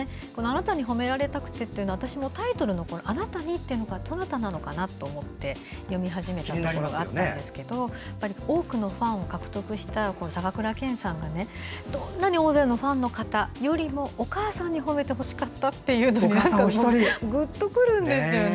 「あなたに褒められたくて」というのはタイトルの「あなたに」というのがどなたかと思って読み始めたんですけど多くのファンを獲得した高倉健さんがどんなに大勢のファンの方よりもお母さんに褒めてほしかったというのにぐっとくるんですよね。